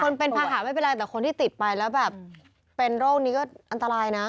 คนเป็นภาหะไม่เป็นไรแต่คนที่ติดไปแล้วแบบเป็นโรคนี้ก็อันตรายนะ